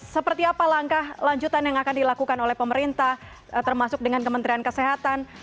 seperti apa langkah lanjutan yang akan dilakukan oleh pemerintah termasuk dengan kementerian kesehatan